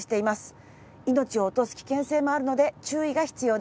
命を落とす危険性もあるので注意が必要です。